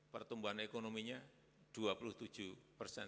pertumbuhan ekonominya dua puluh tujuh persen